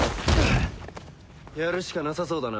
やるしかなさそうだな。